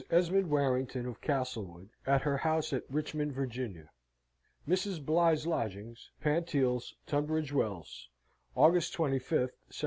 ESMOND WARRINGTON OF CASTLEWOOD AT HER HOUSE AT RICHMOND, VIRGINIA Mrs. Bligh's Lodgings, Pantiles, Tunbridge Wells, "August 25th, 1756.